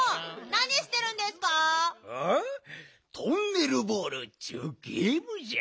トンネルボールっちゅうゲームじゃ。